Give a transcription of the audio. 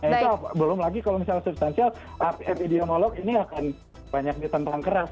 nah itu belum lagi kalau misalnya substansial epidemiolog ini akan banyak ditentang keras